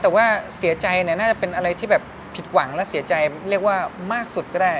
แต่ว่าเสียใจเนี่ยน่าจะเป็นอะไรที่แบบผิดหวังและเสียใจเรียกว่ามากสุดก็ได้